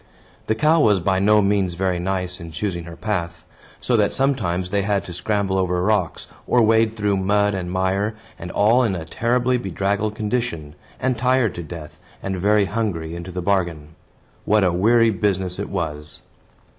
The cow was by no means very nice in choosing her path; so that sometimes they had to scramble over rocks, or wade through mud and mire, and all in a terribly bedraggled condition, and tired to death, and very hungry, into the bargain. What a weary business it was!